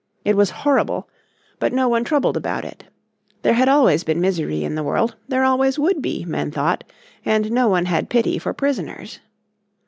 It was horrible, but no one troubled about it. There had always been misery in the world, there always would be, men thought, and no one had pity for prisoners.